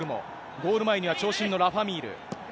ゴール前には長身のラファ・ミール。